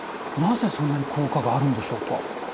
なぜそんなに効果があるんでしょうか？